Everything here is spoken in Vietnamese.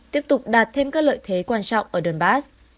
tiếp tục đạt thêm các lợi thế quan trọng ở donbass